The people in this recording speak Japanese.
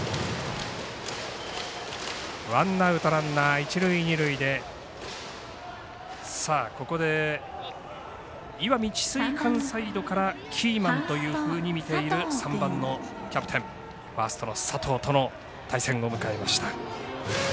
ワンアウト、ランナー一塁、二塁でここで石見智翠館サイドからキーマンというふうにみている３番のキャプテンファーストの佐藤との対戦を迎えました。